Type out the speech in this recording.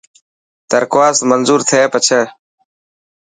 درخواست منظور ٿي پڇي.